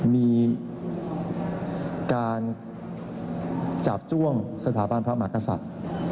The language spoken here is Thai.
มีการจาบจ้วงสถาบันพระมหากษัตริย์